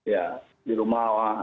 ya di rumah